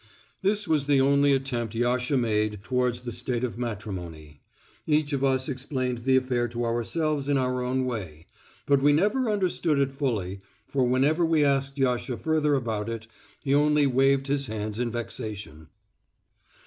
This was the only attempt Yasha made towards the state of matrimony. Each of us explained the affair to ourselves in our own way, but we never understood it fully, for whenever we asked Yasha further about it, he only waved his hands in vexation.